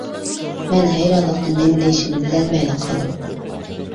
مەن ھەيرانلىقتىن نېمە دېيىشىمنى بىلەلمەيلا قالدىم!